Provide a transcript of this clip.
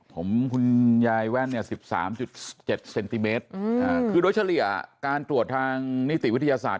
ผมคุณยายแว่นเนี่ย๑๓๗เซนติเมตรคือโดยเฉลี่ยการตรวจทางนิติวิทยาศาสตร์